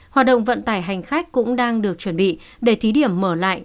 hoạt động vận tải hành khách cũng đang được chuẩn bị để thí điểm mở lại